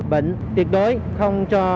bệnh tiệt đối không cho